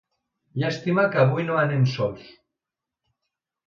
Llàstima que avui no anem sols.